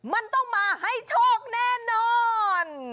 มันต้องมาให้โชคแน่นอน